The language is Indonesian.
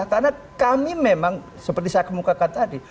karena kami memang seperti saya kemukakan tadi